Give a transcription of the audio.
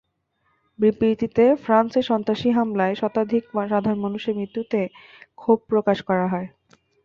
বিবৃতিতে ফ্রান্সে সন্ত্রাসী হামলায় শতাধিক সাধারণ মানুষের মৃত্যুতে ক্ষোভ প্রকাশ করা হয়।